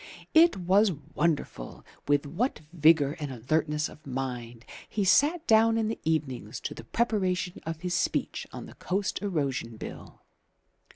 It was wonderful with what vigour and alertness of mind he sat down in the evenings to the preparation of his speech on the Coast Erosion Bill.